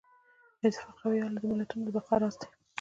اتفاق او یووالی د ملتونو د بقا راز دی.